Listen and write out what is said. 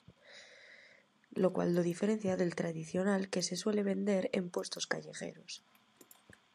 Lo cual lo diferencia del tradicional que se suele vender en puestos callejeros.